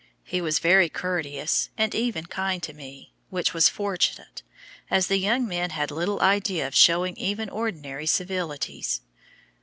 He was very courteous and even kind to me, which was fortunate, as the young men had little idea of showing even ordinary civilities.